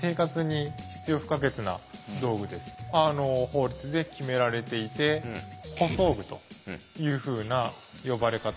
法律で決められていて「補装具」というふうな呼ばれ方をします。